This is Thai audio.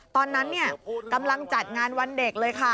ตอนนั้นกำลังจัดงานวันเด็กเลยค่ะ